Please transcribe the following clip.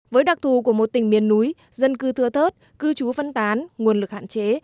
với đặc thù của một tỉnh miền núi dân cư thưa thớt cư trú phân tán nguồn lực hạn chế